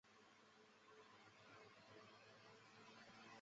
光缘虎耳草为虎耳草科虎耳草属下的一个种。